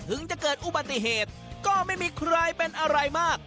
จะเกิดอุบัติเหตุก็ไม่มีใครเป็นอะไรมาก